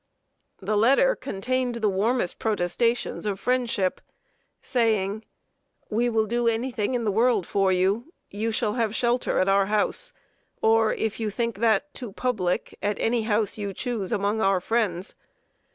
The letter contained the warmest protestations of friendship, saying: "We will do any thing in the world for you. You shall have shelter at our house, or, if you think that too public, at any house you choose among our friends.